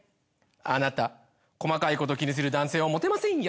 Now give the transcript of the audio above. あなた細かいこと気にする男性はモテませんよ。